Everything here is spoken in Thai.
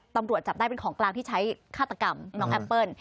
ตำรวจจับได้เป็นของกลางที่ใช้ฆาตกรรมน้องแอปเปิ้ล